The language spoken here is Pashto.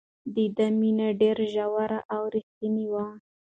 د ده مینه ډېره ژوره او رښتینې وه.